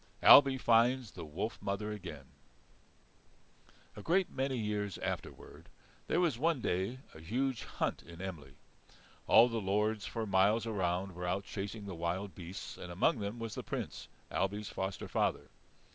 Ailbe finds the Wolf Mother again A great many years afterward there was one day a huge hunt in Emly. All the lords for miles around were out chasing the wild beasts, and among them was the Prince, Ailbe's foster father.